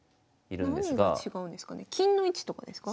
何が違うんですかね？